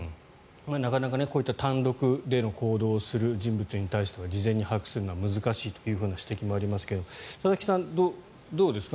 なかなかこういった単独での行動をする人物に対しては事前に把握するのは難しいという指摘がありますが佐々木さん、どうですか。